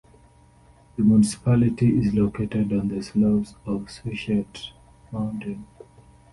The municipality is located on the slopes of Suchet mountain.